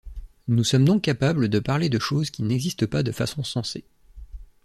Nous sommes donc capables de parler de choses qui n'existent pas de façon sensée.